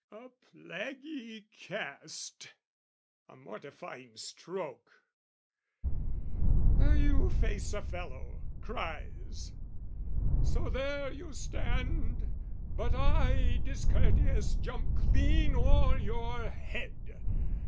A plaguy cast, a mortifying stroke: You face a fellow cries "So, there you stand? "But I discourteous jump clean o'er your head!